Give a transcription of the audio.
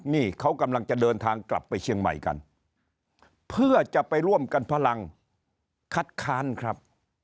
นี่เขากำลังจะเดินทางกลับไปเชียงใหม่กันเพื่อจะไปร่วมกันพลังคัดค้านครับ